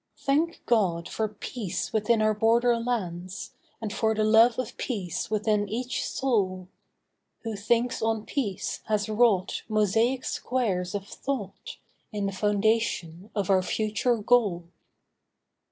Thank God for peace within our border lands, And for the love of peace within each soul. Who thinks on peace has wrought, mosaic squares of thought In the foundation of our future goal.